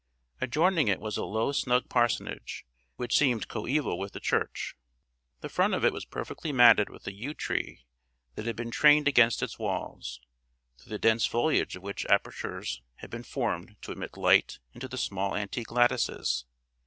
Adjoining it was a low snug parsonage, which seemed coeval with the church. The front of it was perfectly matted with a yew tree that had been trained against its walls, through the dense foliage of which apertures had been formed to admit light into the small antique lattices.